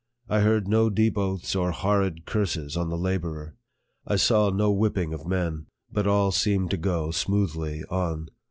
I heard no deep oaths or horrid curses on the laborer. I saw no whipping of men ; but all seemed to go smoothly on.